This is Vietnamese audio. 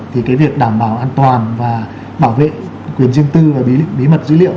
thì cái việc đảm bảo an toàn và bảo vệ quyền riêng tư và bí mật dữ liệu